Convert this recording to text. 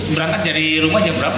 berangkat dari rumah jam berapa